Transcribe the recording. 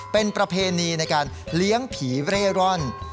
เป็นประเพณีในการเลี้ยงผีเร่ร่อน